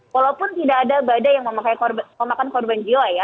walaupun tidak ada badai yang memakan korban jiwa ya